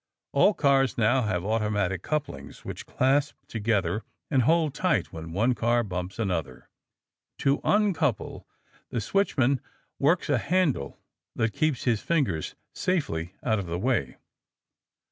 All cars now have automatic couplings which clasp together and hold tight when one car bumps another. To uncouple, the switchman works a handle that keeps his fingers safely out of the way.